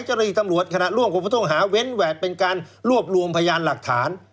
เจ้าหน้าที่ตำรวจขณะร่วมของผู้ต้องหาเว้นแหวกเป็นการรวบรวมพยานหลักฐาน